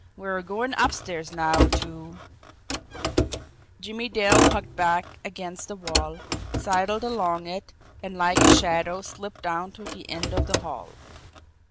We are going upstairs now to " Jimmie Dale hugged back against the wall, sidled along it, and like a shadow slipped down to the end of the hall.